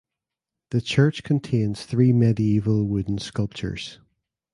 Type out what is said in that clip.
The church contains three medieval wooden sculptures.